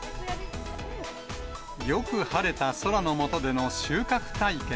よく晴れた空の下での収穫体験。